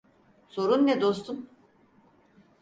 Sorun ne dostum?